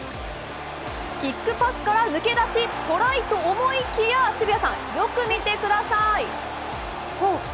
キックパスから抜け出し、トライと思いきや、渋谷さん、よく見てください。